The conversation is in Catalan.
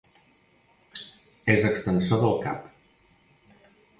És extensor del cap.